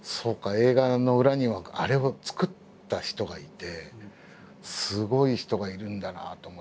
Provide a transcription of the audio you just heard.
映画の裏にはあれを作った人がいてすごい人がいるんだなと思って。